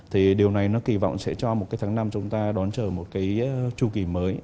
thì điều này nó kỳ vọng sẽ cho một cái tháng năm chúng ta đón chờ một cái chu kỳ mới